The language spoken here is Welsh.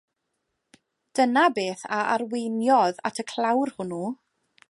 Dyna beth a arweiniodd at y clawr hwnnw.